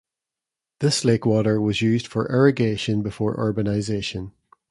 This lake water was used for irrigation before urbanization.